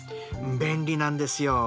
便利なんですよ。